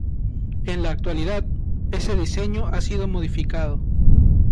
En la actualidad, ese diseño ha sido modificado.